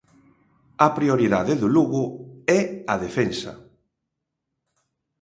A prioridade do Lugo é a defensa.